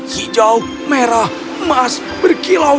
hijau merah emas berkilau